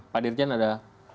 pak dirjen ada